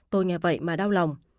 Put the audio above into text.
tôi nghe vậy mà đau lòng